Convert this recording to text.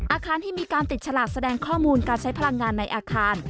อาคารที่มีการติดฉลากแสดงข้อมูลการใช้พลังงานในอาคาร